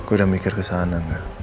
udah mikir kesana